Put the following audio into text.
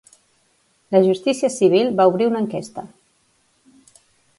La justícia civil va obrir una enquesta.